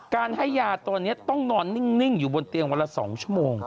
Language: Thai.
การให้ยาตัวนี้ต้องนอนนิ่งอยู่บนเตียงวันละ๒ชั่วโมง